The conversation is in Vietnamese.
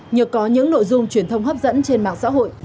nhờ có những nội dung truyền thông hấp dẫn trên mạng xã hội